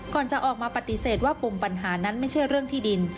ก่อนจะออกมาปฏิเสธว่าปมปัญหานั้นไม่ใช่เรื่องที่ดิน